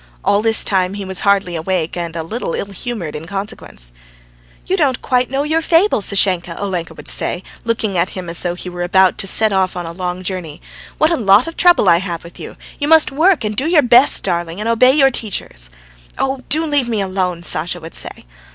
All this time he was hardly awake and a little ill humoured in consequence. "You don't quite know your fable, Sashenka," Olenka would say, looking at him as though he were about to set off on a long journey. "What a lot of trouble I have with you! You must work and do your best, darling, and obey your teachers." "Oh, do leave me alone!" Sasha would say.